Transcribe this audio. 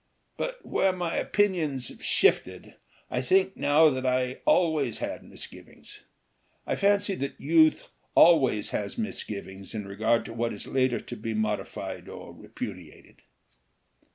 But where my opinions have shifted, I think now that I always had misgivings. I fancy that youth always has misgivings in regard to what is later to be modified or repudiated."